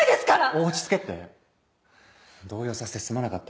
落ち着けって動揺させてすまなかった。